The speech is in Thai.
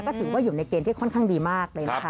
ก็ถือว่าอยู่ในเกณฑ์ที่ค่อนข้างดีมากเลยนะคะ